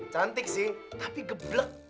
cantik sih tapi geblek